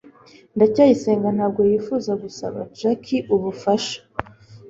ndacyayisenga ntabwo yifuza gusaba jaki ubufasha